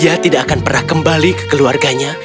apakah dia tidak akan pernah kembali ke keluarganya